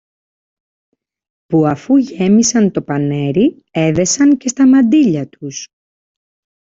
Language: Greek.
που αφού γέμισαν το πανέρι, έδεσαν και στα μαντίλια τους.